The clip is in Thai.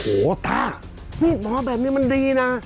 โอ้โหต้านี่มาแบบนี้มันดีนะ